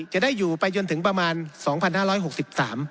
จะได้อยู่ไปจนถึงประมาณสองพันห้าร้อยหกสิบสาม